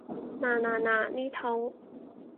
嗱嗱嗱，呢套